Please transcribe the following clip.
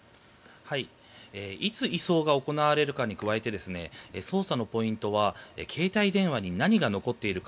いつ移送が行われるかに加えて捜査のポイントは携帯電話に何が残っているか。